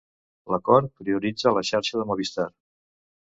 L'acord prioritza la xarxa de Movistar.